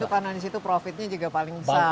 karena di situ profitnya juga paling besar